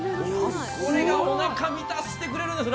これが、おなかを満たしてくれるんですよ。